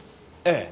ええ。